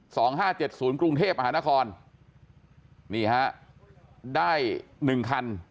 ห้าเจ็ดศูนย์กรุงเทพมหานครนี่ฮะได้หนึ่งคัน